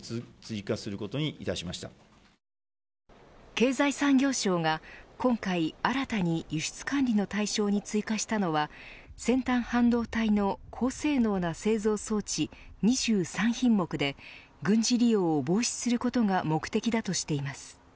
経済産業省が今回新たに輸出管理の対象に追加したのは先端半導体の高性能な製造装置２３品目で軍事利用を防止することが目的だとしています。